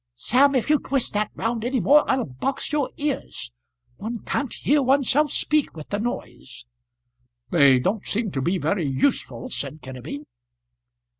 Sam, if you twist that round any more, I'll box your ears. One can't hear oneself speak with the noise." "They don't seem to be very useful," said Kenneby.